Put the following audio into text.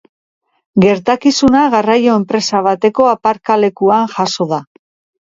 Gertakizuna garraio enpresa bateko aparkalekuan jazo da.